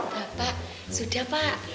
tak pak sudah pak